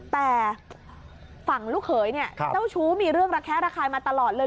แต่ฝั่งลูกเขยเนี่ยเจ้าชู้มีเรื่องระแคะระคายมาตลอดเลย